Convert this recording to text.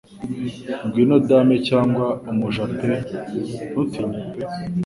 Ngwino dame cyangwa umuja pe ntutinye pe